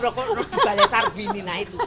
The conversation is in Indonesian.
lalu dibalas sarbini